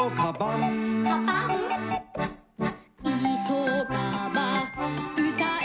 「いそがばうたえ」